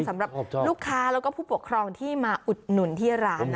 สำหรับลูกค้าแล้วก็ผู้ปกครองที่มาอุดหนุนที่ร้าน